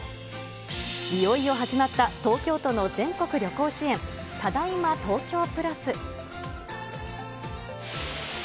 いよいよ始まった、東京都の全国旅行支援、ただいま東京プラス。